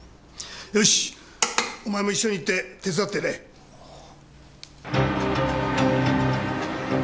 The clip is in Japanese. よしお前も一緒に行って手伝ってやれ。はあ。